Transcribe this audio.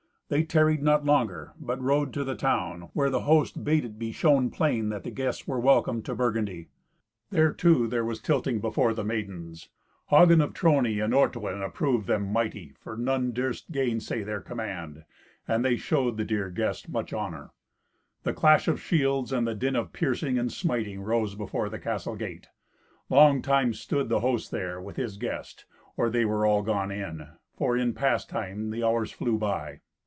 They tarried not longer, but rode to the town, where the host bade it be shown plain that the guests were welcome to Burgundy. There, too, there was tilting before the maidens. Hagen of Trony and Ortwin approved them mighty, for none durst gainsay their command; and they showed the dear guests much honour. The clash of shields, and the din of piercing and smiting, rose before the castle gate. Long time stood the host there with his guest or they were all gone in, for in pastime the hours flew by.